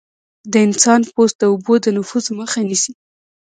د انسان پوست د اوبو د نفوذ مخه نیسي.